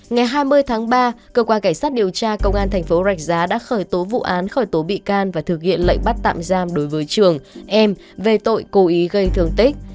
ngày hai mươi tháng ba cơ quan cảnh sát điều tra công an thành phố rạch giá đã khởi tố vụ án khởi tố bị can và thực hiện lệnh bắt tạm giam đối với trường em về tội cố ý gây thương tích